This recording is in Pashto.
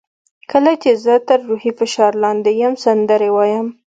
کله چې زه تر روحي فشار لاندې یم سندرې وایم.